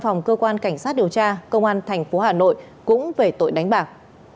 phòng cơ quan cảnh sát điều tra công an tp hà nội cũng về tội đánh bạc